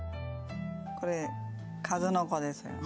これ数の子ですよね。